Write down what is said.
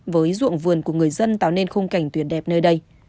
với ruộng vườn của người dân tạo nên khung cảnh tuyệt đẹp nơi đây